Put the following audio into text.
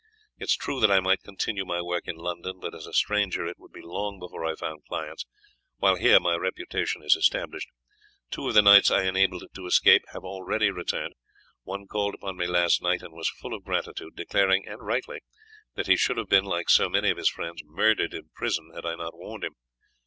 It is true that I might continue my work in London, but as a stranger it would be long before I found clients, while here my reputation is established. Two of the knights I enabled to escape have already returned. One called upon me last night and was full of gratitude, declaring, and rightly, that he should have been, like so many of his friends, murdered in prison had I not warned him.